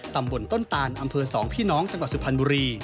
ตำบลต้นตานอำเภอ๒พี่น้องจังหวัดสุพรรณบุรี